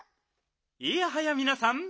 いやはやみなさん。